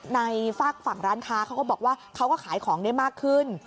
ฝากฝั่งร้านค้าเขาก็บอกว่าเขาก็ขายของได้มากขึ้น